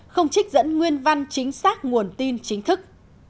không trích dẫn nguyên văn chính xác nguồn tin chính thức